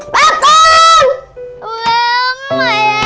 ไม่ไหวแล้ว